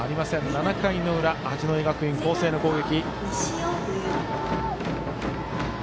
７回の裏、八戸学院光星の攻撃。